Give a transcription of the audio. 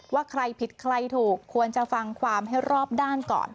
ว่าใครผิดใครถูกควรจะฟังความให้รอบด้านก่อน